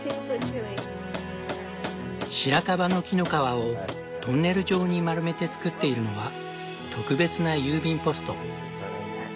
シラカバの木の皮をトンネル状に丸めて作っているのは特別な郵便ポスト。